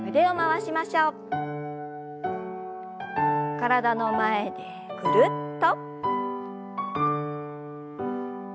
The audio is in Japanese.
体の前でぐるっと。